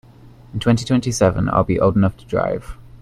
In twenty-twenty-seven I will old enough to drive.